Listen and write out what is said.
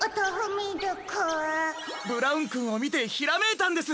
ミルクブラウンくんをみてひらめいたんです！